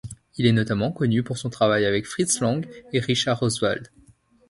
Il est notamment connu pour son travail avec Fritz Lang et Richard Oswald.